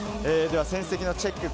では成績のチェック。